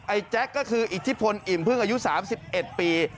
แจ๊คก็คืออิทธิพลอิ่มพึ่งอายุ๓๑ปี